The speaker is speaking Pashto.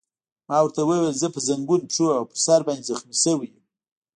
ما ورته وویل: زه په زنګون، پښو او پر سر باندې زخمي شوی یم.